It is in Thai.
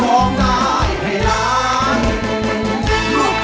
ร้องได้ให้ล้าน